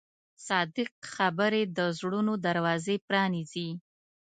صادق خبرې د زړونو دروازې پرانیزي.